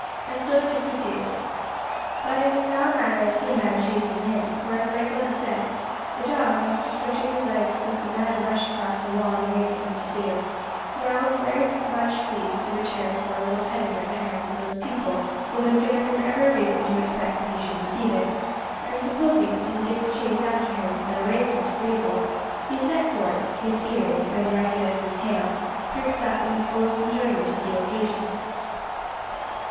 And so Dicky did. But it was now a matter of Sinbad chasing him; for as Michael had said, the dog, after stretching his legs as the mad rush across the lawn enabled him to do, now was very much pleased to return for a little petting at the hands of those people who had given him every reason to expect that he should receive it; and supposing, from Dick's chase after him, that a race was agreeable, he set forth; his ears, as ragged as his tail, pricked up in the fullest enjoyment of the occasion.